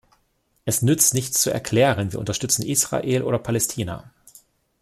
Es nützt nichts zu erklären, wir unterstützen Israel oder Palästina.